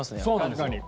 確かに。